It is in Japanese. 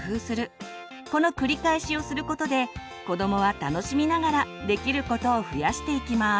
この繰り返しをすることで子どもは楽しみながらできることを増やしていきます。